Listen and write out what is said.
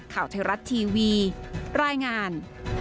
ข่าวไทยรัฐทีวีรายงาน